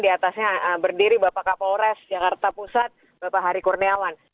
di atasnya berdiri bapak kapolres jakarta pusat bapak hari kurniawan